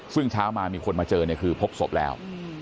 ซึ่งเช้ามามีคนมาเจอเนี่ยคือพบศพแล้ว